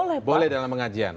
boleh boleh dalam pengajian